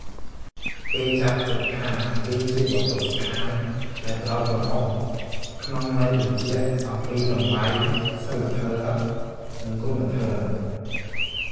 គេចាត់ទុកថា វាជាវត្ថុស្ថានដែលត្រូវគោរព ក្នុងន័យបញ្ជាក់អំពីតម្លៃសីលធម៌ និងគុណធម៌។